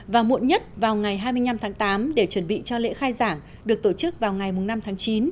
và muộn nhất vào ngày hai mươi năm tháng tám để chuẩn bị cho lễ khai giảng được tổ chức vào ngày năm tháng chín